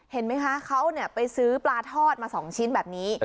เห็นไหมคะเขาไปซื้อปลาทอดมา๒ชิ้นแบบนี้